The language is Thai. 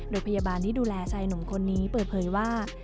โดยพยาบาลที่ดูแลชายหนุ่มคนนี้เปิดเผยว่า